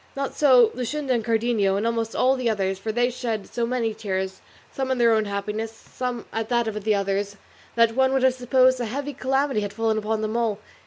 Not so Luscinda, and Cardenio, and almost all the others, for they shed so many tears, some in their own happiness, some at that of the others, that one would have supposed a heavy calamity had fallen upon them all.